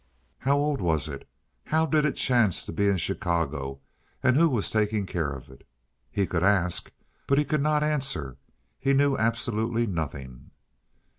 How old was it? How did it chance to be in Chicago, and who was taking care of it?" He could ask, but he could not answer; he knew absolutely nothing.